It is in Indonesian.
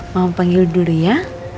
mama panggil dulu ya